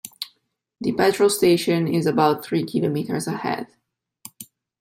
The petrol station is about three kilometres ahead